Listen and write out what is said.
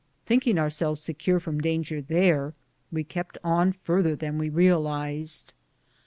Thinking ourselves secure from danger there, we kept on further than we realized.